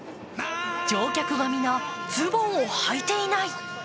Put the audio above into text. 乗客が皆、ズボンをはいていない。